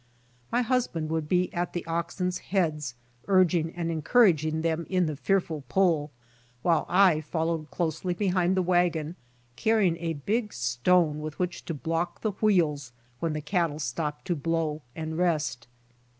My husband would be at the oxen's heads urging and encouraging them in the fearful pull, while I followed closely behind the wagon carrying a big stone with which to block the wheels when the cattle stopped to blow and rest.